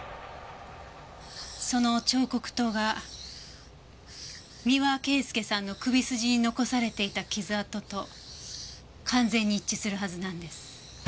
その彫刻刀が三輪圭祐さんの首筋に残されていた傷痕と完全に一致するはずなんです。